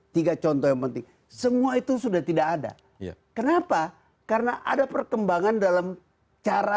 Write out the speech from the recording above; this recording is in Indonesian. tiga contoh yang penting semua itu sudah tidak ada kenapa karena ada perkembangan dalam cara